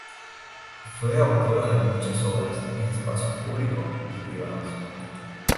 Fue autora de muchas obras en espacios públicos y privados.